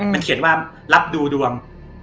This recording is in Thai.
มันเขียนว่ารับดูดวง